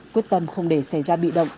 quyết tâm không để xảy ra bị động